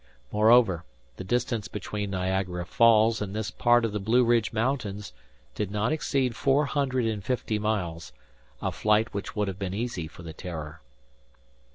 Moreover, the distance between Niagara Falls and this part of the Blueridge Mountains, did not exceed four hundred and fifty miles, a flight which would have been easy for the "Terror."